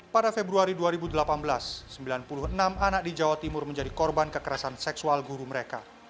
pada februari dua ribu delapan belas sembilan puluh enam anak di jawa timur menjadi korban kekerasan seksual guru mereka